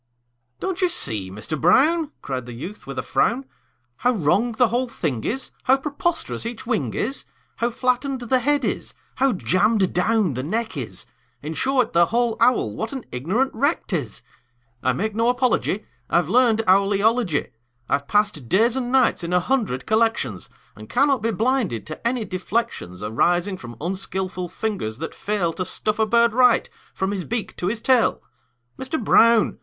"Don't you see, Mister Brown," Cried the youth, with a frown, "How wrong the whole thing is, How preposterous each wing is, How flattened the head is, how jammed down the neck is In short, the whole owl, what an ignorant wreck 't is! I make no apology; I've learned owl eology. I've passed days and nights in a hundred collections, And cannot be blinded to any deflections Arising from unskilful fingers that fail To stuff a bird right, from his beak to his tail. Mister Brown!